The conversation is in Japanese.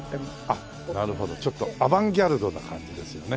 あっなるほどちょっとアバンギャルドな感じですよね。